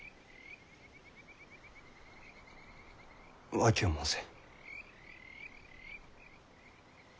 訳を申せ。